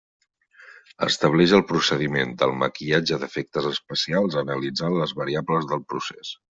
Estableix el procediment del maquillatge d'efectes especials analitzant les variables del procés.